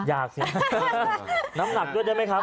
อยากสิน้ำหนักด้วยได้ไหมครับ